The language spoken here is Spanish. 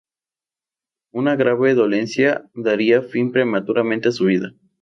Una grave dolencia daría fin prematuramente a su vida.